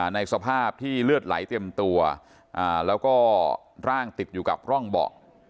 ในสภาพที่เลือดไหลเต็มตัวแล้วก็ร่างติดอยู่กับร่องเบาะ